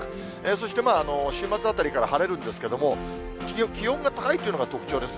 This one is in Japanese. そして週末あたりから晴れるんですけども、気温が高いというのが特徴です。